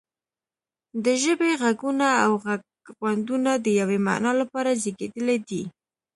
د ژبې غږونه او غږغونډونه د یوې معنا لپاره زیږیدلي دي